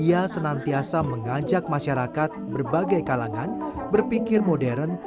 ia senantiasa mengajak masyarakat berbagai kalangan berpikir modern